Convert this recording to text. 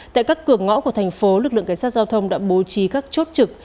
tại các cửa ngõ của thành phố lực lượng cảnh sát giao thông đã bố trí các chốt trực